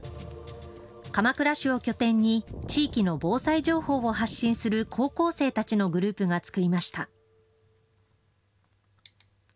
鎌倉市を拠点に地域の防災情報を発信する高校生たちのグループが作りました。